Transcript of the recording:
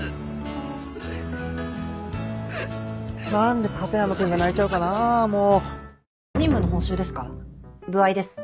何で立山君が泣いちゃうかなもう。